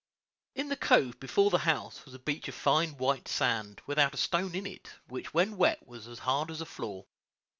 In the cove before the house was a beach of fine white sand, without a stone in it, which when wet was as hard as a floor.